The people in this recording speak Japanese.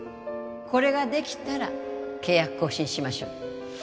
これができたら契約更新しましょう